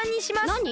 なに？